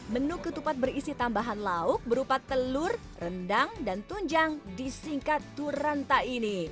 menu ketupat berisi tambahan lauk berupa telur rendang dan tunjang disingkat turanta ini